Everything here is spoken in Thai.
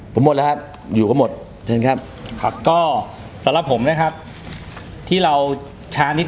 ผมหมดแล้วครับอยู่ก็หมดเชิญครับครับก็สำหรับผมนะครับที่เราชานิด